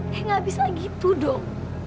eh gak bisa gitu dong